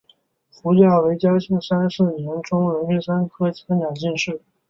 胡价为嘉靖三十四年中式壬戌科三甲进士。